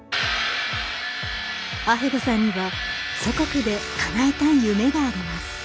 アヘゴさんには祖国でかなえたい夢があります。